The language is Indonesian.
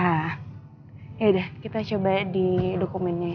ah yaudah kita coba di dokumennya ya